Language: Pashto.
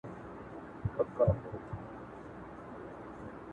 د هر چا چي وي په لاس کي تېره توره؛